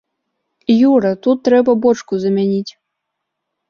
Юра, тут трэба бочку замяніць!